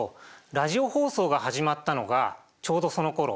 ラジオ放送が始まったのがちょうどそのころ